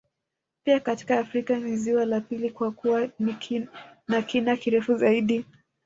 Pia katika Afrika ni ziwa la pili kwa kuwa na kina kirefu zaidi